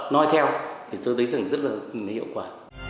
nói theo thì tôi thấy rằng rất là hiệu quả